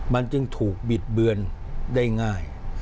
มันจึงถูกบิดเบือนได้ง่าย